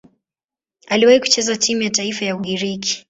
Aliwahi kucheza timu ya taifa ya Ugiriki.